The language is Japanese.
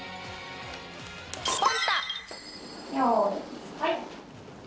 よーい、はい。